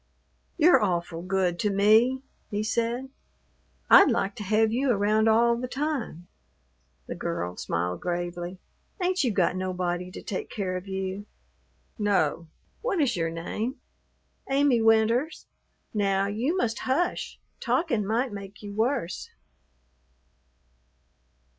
"You're awful good to me," he said. "I'd like to have you around all the time." The girl smiled gravely. "Ain't you got nobody to take care of you?" "No. What is your name?" "Amy Winters. Now you must hush. Talkin' might make you worse."